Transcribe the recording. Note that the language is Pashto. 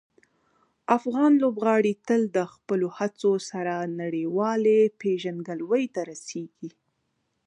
افغان لوبغاړي تل د خپلو هڅو سره نړیوالې پېژندګلوۍ ته رسېږي.